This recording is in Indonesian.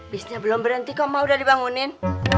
bisnya belum berhenti kok mah udah dibangunin